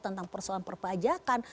tentang persoalan perpajakan